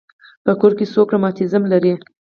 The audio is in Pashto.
په کور کې څوک رماتیزم لري.